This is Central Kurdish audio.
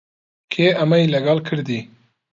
کێ ئەمەی لەگەڵ کردی؟